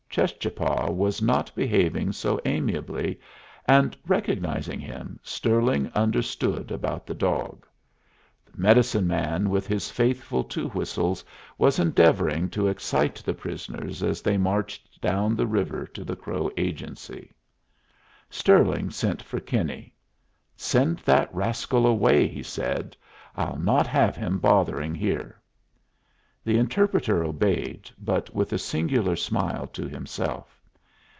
Cheschapah was not behaving so amiably; and recognizing him, Stirling understood about the dog. The medicine man, with his faithful Two Whistles, was endeavoring to excite the prisoners as they were marched down the river to the Crow Agency. Stirling sent for Kinney. "Send that rascal away," he said. "I'll not have him bothering here." The interpreter obeyed, but with a singular smile to himself.